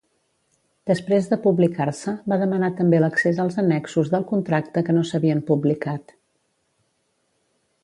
Després de publicar-se, va demanar també l'accés als annexos del contracte que no s'havien publicat.